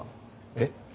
えっ？